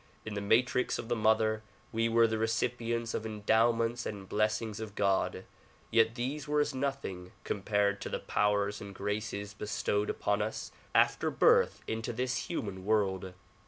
In the matrix of the mother we were the recipients of endowments and blessings of God, yet these were as nothing compared to the powers and graces bestowed upon us after birth into this human world.